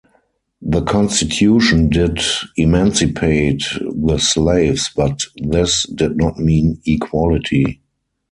The constitution did emancipate the slaves, but this did not mean equality.